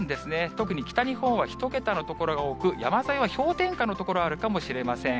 特に北日本は１桁の所が多く、山沿いは氷点下の所、あるかもしれません。